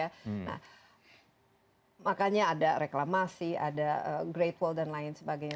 nah makanya ada reklamasi ada gradewall dan lain sebagainya